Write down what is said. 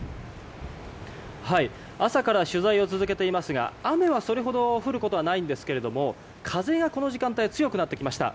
朝から取材を続けていますが雨はそれほど降ることはないんですけれども風がこの時間帯強くなってきました。